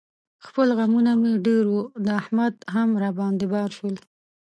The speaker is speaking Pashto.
خپل غمونه مې ډېر و، د احمد هم را باندې بار شول.